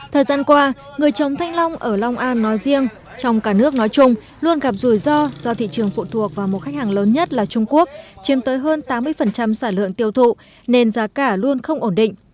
thời gian qua người trồng thanh long ở long an nói riêng trong cả nước nói chung luôn gặp rủi ro do thị trường phụ thuộc vào một khách hàng lớn nhất là trung quốc chiếm tới hơn tám mươi sản lượng tiêu thụ nên giá cả luôn không ổn định